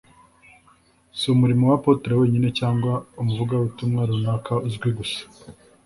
si umurimo wa Apotre wenyine cyangwa umuvuga-butumwa runaka uzwi gusa